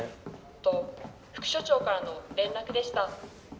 と副署長からの連絡でした。